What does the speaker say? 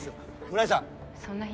村井さん。